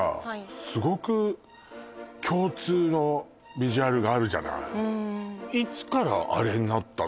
すごく共通のビジュアルがあるじゃないいつからあれになったの？